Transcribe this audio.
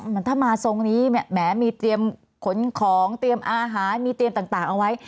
มันถ้ามาทรงนี้แหมมีเตรียมขนของเตรียมอาหารมีเตรียมต่างเอาไว้